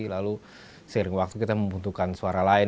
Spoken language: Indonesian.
lalu seiring waktu kita membutuhkan suara lain